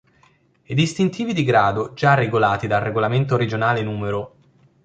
I distintivi di grado già regolati dal Regolamento Regionale n.